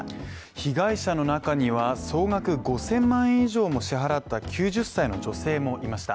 被害者の中には総額５０００万円以上も支払った９０歳の女性もいました